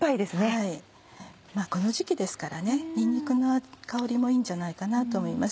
この時期ですからにんにくの香りもいいんじゃないかなと思います。